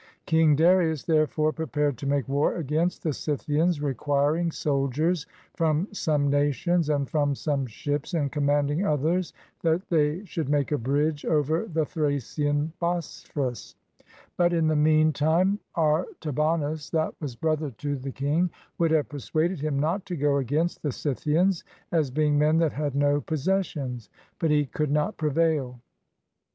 I King Darius therefore prepared to make war against the Scythians, requiring soldiers from some nations, and from some ships, and commanding others that they should make a bridge over the Thracian Bosphorus. But in the mean time Artabanus, that was brother to the 334 KING DARIUS AND THE FLYING SCYTHIANS king, would have persuaded him not to go against the Scythians, as being men that had no possessions ; but he could not prevail.